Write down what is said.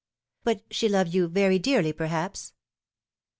" But she loved you very dearly, perhaps."